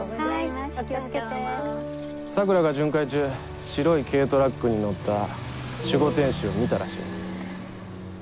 桜が巡回中白い軽トラックに乗った守護天使を見たらしい。